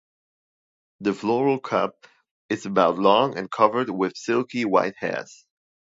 The floral cup is about long and covered with silky white hairs.